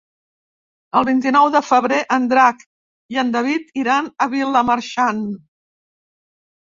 El vint-i-nou de febrer en Drac i en David iran a Vilamarxant.